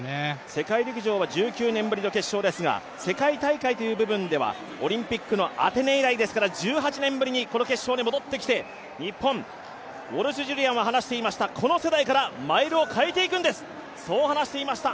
世界陸上は１９年ぶりの決勝ですが、世界大会という部分ではオリンピックのアテネ以来ですから１８年ぶりにこの決勝に戻ってきて日本、ウォルシュ・ジュリアンは話していました、この世代からマイルを変えていくんです、そう話していました。